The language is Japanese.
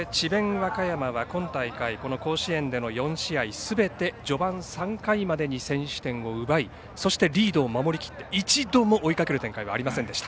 和歌山は今大会この甲子園での４試合すべてに序盤３回までに先取点を奪いそしてリードを守りきって一度も追いかける展開はありませんでした。